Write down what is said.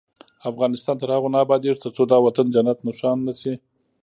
افغانستان تر هغو نه ابادیږي، ترڅو دا وطن جنت نښان نشي.